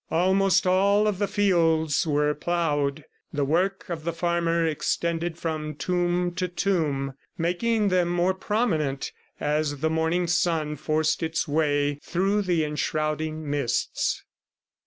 Almost all of the fields were ploughed. The work of the farmer extended from tomb to tomb, making them more prominent as the morning sun forced its way through the enshrouding mists.